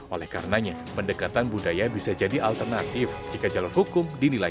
oleh karenanya pendekatan budaya bisa jadi alternatif jika jalur hukum dinilai